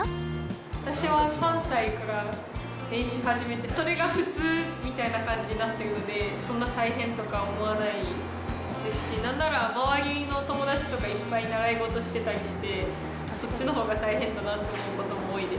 私は３歳から練習始めて、それが普通みたいな感じになってるので、そんな大変とか思わないですし、なんなら、周りの友達とかいっぱい習い事してたりして、そっちのほうが大変だなと思うことが多いです。